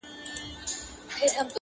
دوه خورجینه په لومړۍ ورځ خدای تیار کړل -